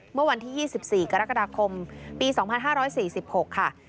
เมื่อวันที่๒๔กรกฎาคมปี๒๕๔๖ค่ะ